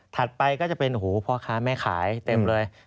ไปก็จะเป็นพ่อค้าแม่ขายเต็มเลย